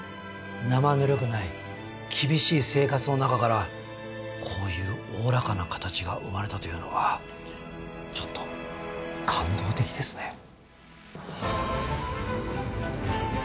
なまぬるくない厳しい生活の中からこういうおおらかな形が生まれたというのはちょっと感動的ですね。